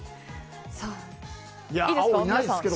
いいですか皆さん。